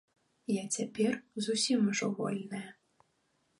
Я цяпер зусім ужо вольная.